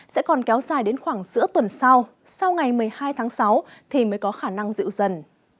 sẽ còn kéo dài đến khoảng giữa tuần sau sau ngày một mươi hai tháng sáu thì mới có khả năng dịu dần